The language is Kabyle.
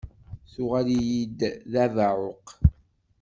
Tuɣal-iyi d abeɛɛuq.